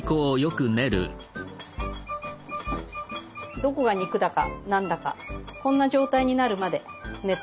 どこが肉だか何だかこんな状態になるまで練って下さい。